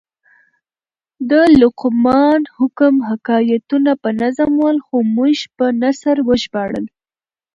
د لقمان حکم حکایتونه په نظم ول؛ خو موږ په نثر وژباړل.